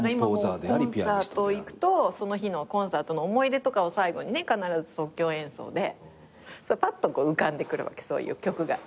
今もコンサート行くとその日のコンサートの思い出とかを最後に必ず即興演奏でぱっと浮かんでくるわけそういう曲が。